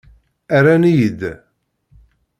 Rran-iyi-d.